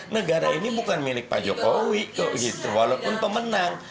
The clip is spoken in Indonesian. negara ini bukan milik pak jokowi walaupun pemenang